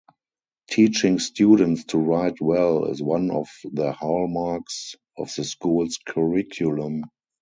Teaching students to write well is one of the hallmarks of the school's curriculum.